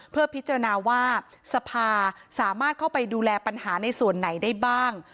เพื่อพิจารณาว่าสภาสามารถเข้าไปดูแลปัญหาในส่วนไหนได้บ้าง